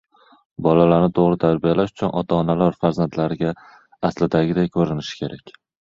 Bolalarni to‘g‘ri tarbiyalash uchun ota-onalar farzandlariga aslidagiday ko‘rinishi kerak.